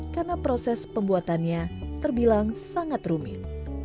karena proses pembuatannya terbilang sangat rumit